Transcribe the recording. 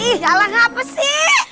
ih jalan ngapas sih